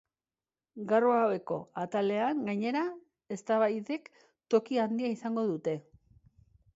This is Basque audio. Gaur gaueko atalean, gainera, eztabaidek toki handia izango dute.